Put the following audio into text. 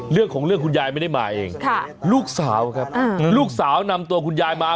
เรื่องของเรื่องคุณยายไม่ได้มาเองลูกสาวครับลูกสาวนำตัวคุณยายมา